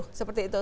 dan seperti itu